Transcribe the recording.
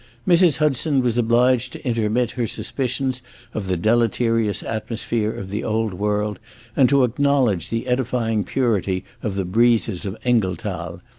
Mrs. Hudson was obliged to intermit her suspicions of the deleterious atmosphere of the old world, and to acknowledge the edifying purity of the breezes of Engelthal.